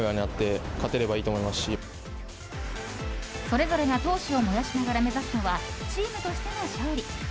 それぞれが闘志を燃やしながら目指すのはチームとしての勝利。